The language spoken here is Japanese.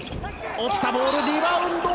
落ちたボール、リバウンド！